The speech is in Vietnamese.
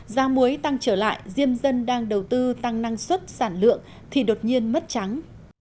giá muối tăng trở lại diêm dân đang đầu tư tăng năng suất sản lượng thì đột nhiên mất trắng